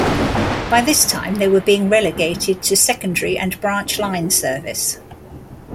By this time they were being relegated to secondary and branch line service.